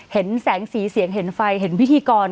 เห็นแสงสีเสียงเห็นไฟเห็นพิธีกร